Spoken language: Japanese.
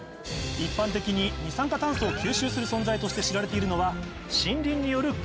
一般的に二酸化炭素を吸収する存在として知られているのは。